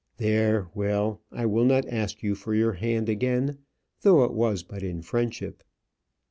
There, well, I will not ask you for your hand again, though it was but in friendship."